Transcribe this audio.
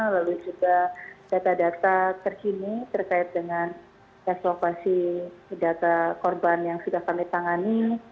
lalu juga data data terkini terkait dengan evakuasi data korban yang sudah kami tangani